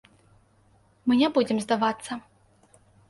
Мы не будзем здавацца.